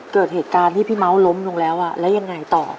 เกิดเหตุการณ์ที่พี่เม้าล้มลงแล้วแล้วยังไงต่อ